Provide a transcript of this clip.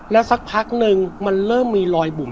แล้วสักพักนึงมันเริ่มมีรอยบุ๋ม